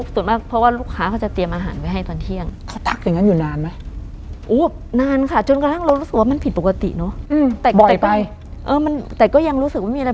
ส่วนมากเพราะว่าลูกค้าเขาจะเตรียมอาหารไว้ให้ตอนเที่ยงเขาทักอย่างนั้นอยู่นานไหมโอ้นานค่ะจนกระทั่งเรารู้สึกว่ามันผิดปกติเนอะแต่ก่อนแต่ก็ยังรู้สึกว่ามีอะไร